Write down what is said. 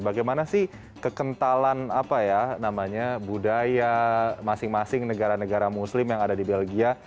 bagaimana sih kekentalan apa ya namanya budaya masing masing negara negara muslim yang ada di belgia